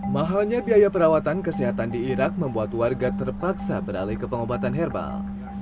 mahalnya biaya perawatan kesehatan di irak membuat warga terpaksa beralih ke pengobatan herbal